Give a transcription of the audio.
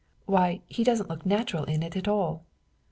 Why, he doesn't look natural in it at all."